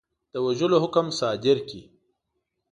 د وژلو حکم صادر کړي.